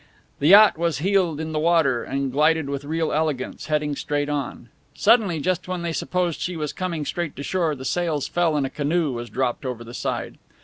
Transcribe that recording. The yacht was heeled in the water and glided with real elegance, heading straight on. Suddenly, just when they supposed she was coming straight to shore, the sails fell and a canoe was dropped over the side.